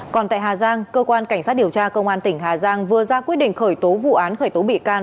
còn tại hà giang cơ quan cảnh sát điều tra công an tỉnh hà giang vừa ra quyết định khởi tố vụ án khởi tố bị can